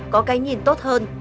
có cái nhìn tốt hơn